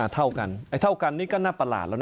เท่ากันนี้ก็น่าประหลาดแล้วนะ